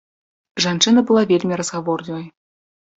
Жанчына была вельмі разгаворлівай.